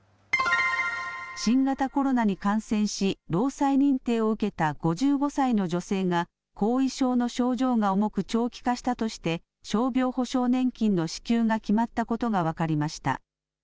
新型コロナに感染し、労災認定を受けた５５歳の女性が、後遺症の症状が重く長期化したとして、傷病補償年金の支給が決まったことが分かりました。